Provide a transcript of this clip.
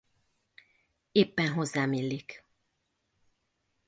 Éppen hozzám illik.